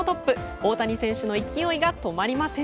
大谷選手の勢いが止まりません。